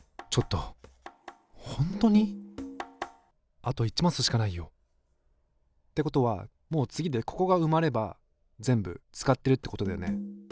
あと１マスしかないよ。ってことはもう次でここが埋まれば全部使ってるってことだよね。